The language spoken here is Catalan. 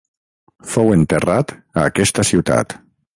Fou enterrat a aquesta ciutat.